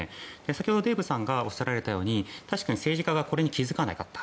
先ほどデーブさんがおっしゃったように確かに政治家がこれに気付かなかった。